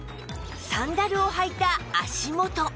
サンダルを履いた足元